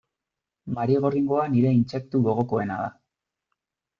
Marigorringoa nire intsektu gogokoena da.